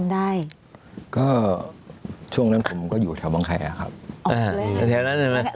ดังนั้นพี่ล๒๐๑๙